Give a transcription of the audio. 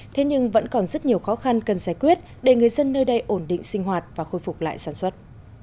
thế nhưng vẫn còn rất nhiều khó khăn cần giải quyết để người dân nơi đây ổn định sinh hoạt và khôi phục lại sản xuất